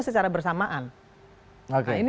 secara bersamaan nah ini